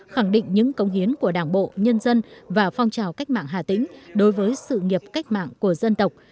khẳng định những công hiến của đảng bộ nhân dân và phong trào cách mạng hà tĩnh đối với sự nghiệp cách mạng của dân tộc